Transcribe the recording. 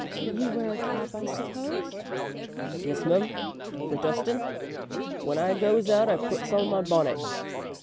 "You wear a cap, I suppose?" "Yes, mum, for dustin'. When I goes out I puts on my bonnet."